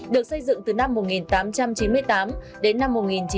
được xây dựng từ năm một nghìn tám trăm chín mươi tám đến năm một nghìn chín trăm bảy mươi